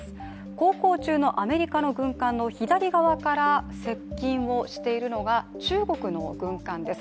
航行中のアメリカの軍艦の左側から接近をしているのが中国の軍艦です。